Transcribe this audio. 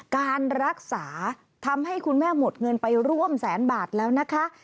การรักษาทำให้คุณแม่หมดเงินไปร่วมแสนบาทแล้วนะคะ